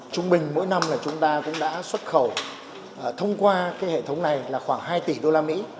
trung bình mỗi năm là chúng ta cũng đã xuất khẩu thông qua hệ thống này là khoảng hai tỷ usd